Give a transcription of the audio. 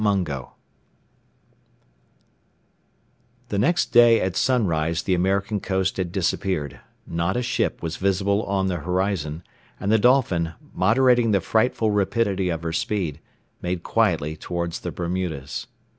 MUNGO The next day at sunrise the American coast had disappeared; not a ship was visible on the horizon, and the Dolphin, moderating the frightful rapidity of her speed, made quietly towards the Bermudas.